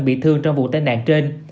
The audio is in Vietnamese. bị thương trong vụ tai nạn trên